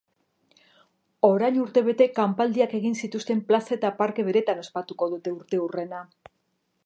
Orain urtebete kanpaldiak egin zituzten plaza eta parke beretan ospatuko dute urteurrena.